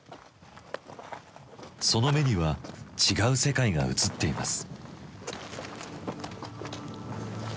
その目には違う世界が映っています。